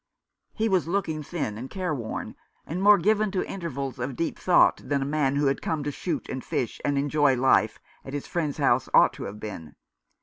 He was looking thin and careworn, and more given to intervals of deep thought than a man who had come to shoot and fish and enjoy life at his friend's house ought to have been.